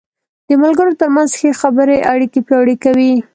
د ملګرو تر منځ ښه خبرې اړیکې پیاوړې کوي.